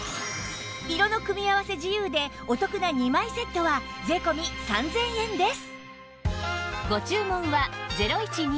色の組み合わせ自由でお得な２枚セットは税込３０００円です